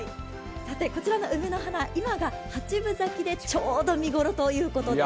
こちらの梅の花、今が８分咲きでちょうど見頃ということです。